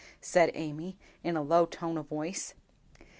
said Amy, in a low tone of voice.